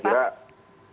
sepatradigem saya kira